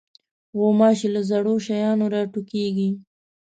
غوماشې له زړو شیانو راټوکېږي.